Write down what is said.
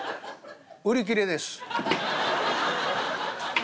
売り切れです」。